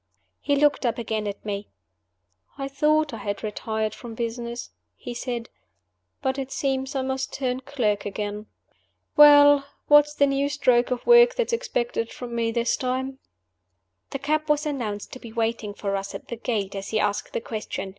He looked up again at me. "I thought I had retired from business," he said; "but it seems I must turn clerk again. Well? What is the new stroke of work that's expected from me this time?" The cab was announced to be waiting for us at the gate as he asked the question.